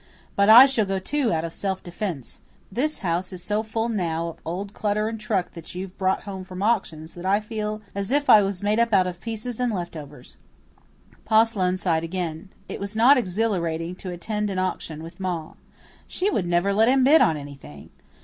But I shall go, too, out of self defence. This house is so full now of old clutter and truck that you've brought home from auctions that I feel as if I was made up out of pieces and left overs." Pa Sloane sighed again. It was not exhilarating to attend an auction with Ma. She would never let him bid on anything.